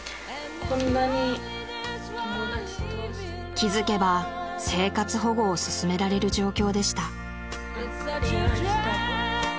［気付けば生活保護を勧められる状況でした］